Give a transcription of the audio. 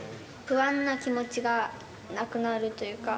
不安な気持ちがなくなるというか。